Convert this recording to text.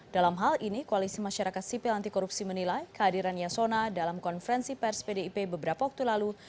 dalam hal ini koalisi masyarakat sipil anti korupsi menilai kehadiran yasona dalam konferensi pers pdip beberapa waktu lalu